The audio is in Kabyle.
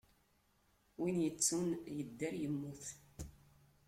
Win yettun, yedder yemmut.